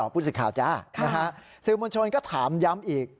ผู้สื่อข่าวจ้าสื่อมวลชนก็ถามย้ำอีก